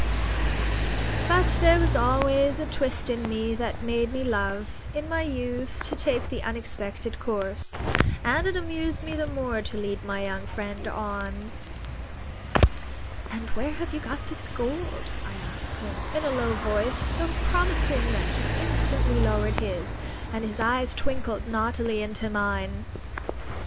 But there was always a twist in me that made me love (in my youth) to take the unexpected course; and it amused me the more to lead my young friend on. "And where have you got this gold?" I asked him, in a low voice so promising that he instantly lowered his, and his eyes twinkled naughtily into mine.